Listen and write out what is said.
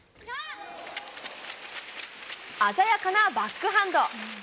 鮮やかなバックハンド。